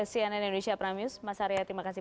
cnn indonesia prime news mas arya terima kasih